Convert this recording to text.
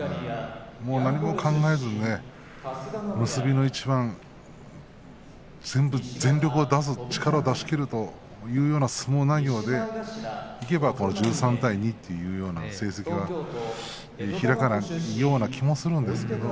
何も考えずに結びの一番全部全力を出す、力を出し切るというような相撲内容でいけば１３対２というような成績は開かないような気もするんですけど。